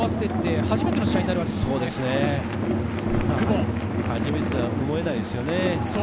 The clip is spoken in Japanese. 初めてとは思えないですよ